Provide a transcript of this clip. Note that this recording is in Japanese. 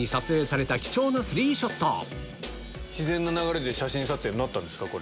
自然な流れで写真撮影になったんですか？